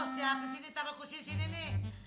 siapa sini taruh kusisi ini